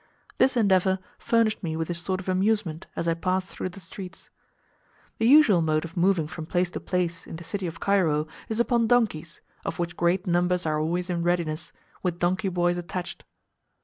This endeavour furnished me with a sort of amusement as I passed through the streets. The usual mode of moving from place to place in the city of Cairo is upon donkeys, of which great numbers are always in readiness, with donkey boys attached.